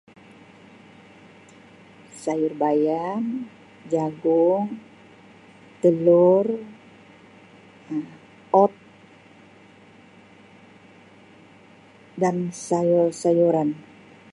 Sayur bayam, jagung, telur Um oat dan sayur-sayuran.